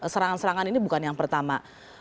serangan serangan ini bukan yang pertama